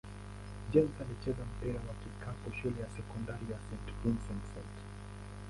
James alicheza mpira wa kikapu shule ya sekondari St. Vincent-St.